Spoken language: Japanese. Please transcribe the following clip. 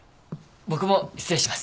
僕も失礼します。